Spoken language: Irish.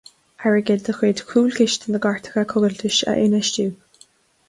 Airgead de chuid Chúlchiste na gCairteacha Coigiltis a infheistiú.